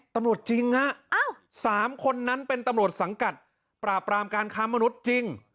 ตำรวจจริงฮะ๓คนนั้นเป็นตำรวจสังกัดปราบรามการค้ามนุษย์จริง